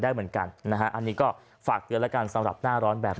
เหมือนกันนะฮะอันนี้ก็ฝากเตือนแล้วกันสำหรับหน้าร้อนแบบ